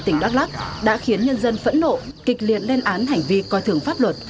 tỉnh đắk lắc đã khiến nhân dân phẫn nộ kịch liệt lên án hành vi coi thường pháp luật